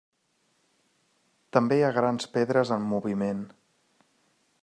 També hi ha grans pedres en moviment.